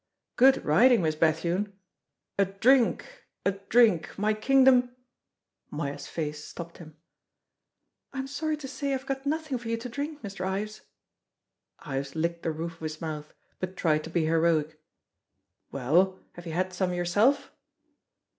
"Good riding, Miss Bethune! A drink, a drink, my kingdom " Moya's face stopped him. "I'm sorry to say I've got nothing for you to drink, Mr. Ives." Ives licked the roof of his mouth, but tried to be heroic. "Well, have you had some yourself?"